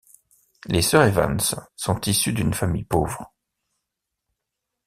Les sœurs Evans sont issues d'une famille pauvre.